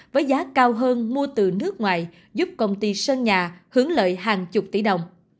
với giá cao hơn mua từ nước ngoài giúp công ty sân nhà hướng lợi hàng chục tỷ đồng